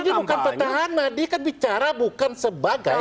dia bukan petahana dia kan bicara bukan sebagai